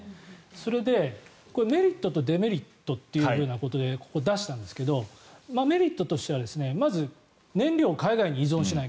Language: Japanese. それで、メリットとデメリットということでここ、出したんですがメリットとしてはまず燃料を海外に依存しない。